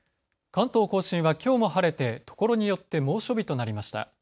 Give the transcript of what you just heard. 関東甲信はきょうも晴れてところによって猛暑日となりました。